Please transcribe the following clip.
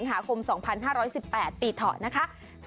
โอเคโอเคโอเค